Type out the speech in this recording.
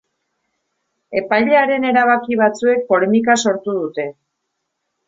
Epailearen erabaki batzuek polemika sortu dute.